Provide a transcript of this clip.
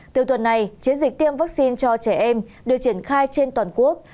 từ tuần này chiến dịch tiêm vaccine cho trẻ em được triển khai trên toàn quốc